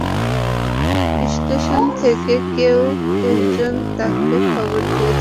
Station থেকে কেউ একজন তাকে খবর দিয়েছে।